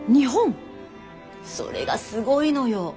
それがすごいのよ。